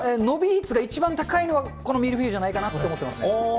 伸び率が一番高いのは、このミルフィーユじゃないかなと思っていますね。